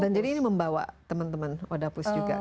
dan jadi ini membawa teman teman wadah pus juga